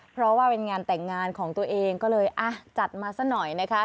เพราะว่าเป็นงานแต่งงานของตัวเองก็เลยอ่ะจัดมาซะหน่อยนะคะ